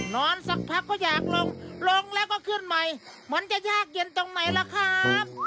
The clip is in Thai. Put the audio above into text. สักพักก็อยากลงลงแล้วก็ขึ้นใหม่มันจะยากเย็นตรงไหนล่ะครับ